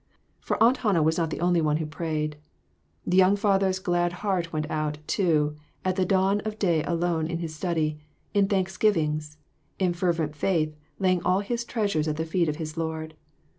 For Aunt Hannah was not the only one who prayed. The young father's glad heart went out, too, at the dawn of day alone in his study, in thanksgivings, in fervent faith laying all his treasures at the feet of his Lord.